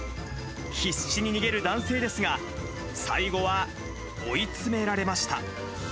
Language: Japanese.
必死に逃げる男性ですが、最後は追い詰められました。